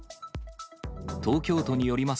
東京都によります